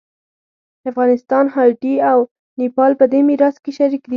افغانستان، هایټي او نیپال په دې میراث کې شریک دي.